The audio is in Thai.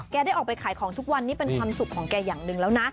ได้ออกไปขายของทุกวันนี้เป็นความสุขของแกอย่างหนึ่งแล้วนะ